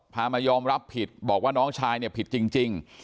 พามายอมรับผิดบอกว่าน้องชายเนี่ยผิดจริง